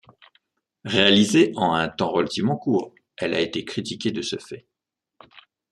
Réalisée en un temps relativement court, elle a été critiquée de ce fait.